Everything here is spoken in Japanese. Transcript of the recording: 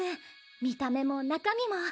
見た目も中身も。